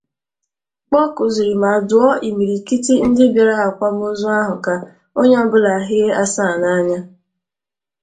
kpọkùzịrị ma dụọ imirikiti ndị bịara akwamozu ahụ ka onye ọbụla hie asaa n'anya